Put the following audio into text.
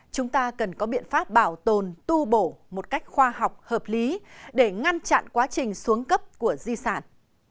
chúng ta cần có biện pháp bảo tồn tu bổ một cách khoa học hợp lý để ngăn chặn quá trình xuống cấp của di sản